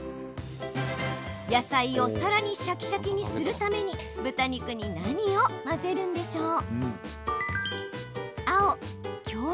野菜をさらにシャキシャキにするために豚肉に何を混ぜるんでしょう？